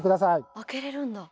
開けれるんだ。